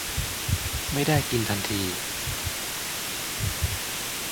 ไม่ได้กินทันที